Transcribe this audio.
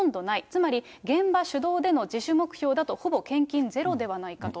つまり現場主導での自主目標だとほぼ献金ゼロではないかと。